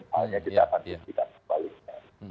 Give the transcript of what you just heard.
makanya kita akan mencicat kebaliknya